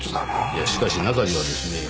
いやしかし中にはですね